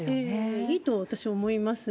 いいと私は思いますね。